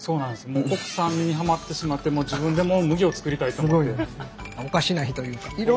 もう国産にはまってしまって自分でもう麦を作りたいと思って。